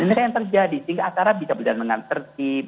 ini yang terjadi sehingga acara bisa berjalan dengan tertib